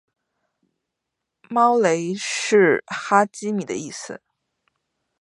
猫雷是哈基米的意思